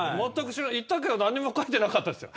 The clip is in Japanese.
行ったけど何も書いてなかったですよ。